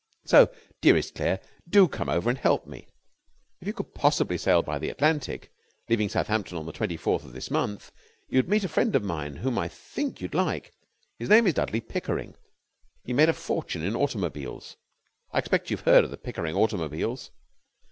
So, dearest Claire, do come over and help me. If you could possibly sail by the Atlantic, leaving Southampton on the twenty fourth of this month, you would meet a friend of mine whom I think you would like. His name is Dudley Pickering, and he made a fortune in automobiles. I expect you have heard of the Pickering automobiles?